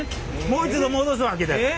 もう一度戻すわけです。